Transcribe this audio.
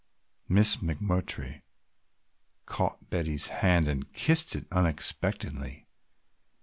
Miss McMurtry caught Betty's hand and kissed it unexpectedly.